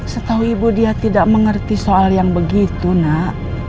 setahu ibu dia tidak mengerti soal yang begitu nak